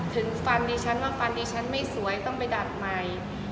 ถึงฟันดิฉันว่าฟันดิฉันไม่สวยต้องไปดัดใหม่